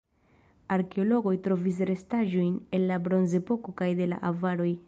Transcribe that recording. Arkeologoj trovis restaĵojn el la bronzepoko kaj de la avaroj.